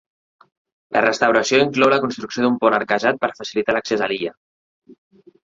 La restauració inclou la construcció d'un pont arquejat per facilitar l'accés a l'illa.